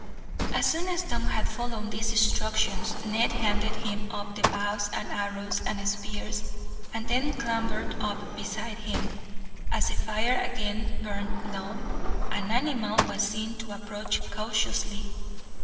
As soon as Tom had followed these instructions, Ned handed him up the bows and arrows and spears, and then clambered up beside him. As the fire again burned low, an animal was seen to approach, cautiously.